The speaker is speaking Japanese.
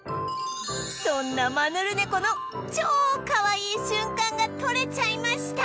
そんなマヌルネコの超かわいい瞬間が撮れちゃいました！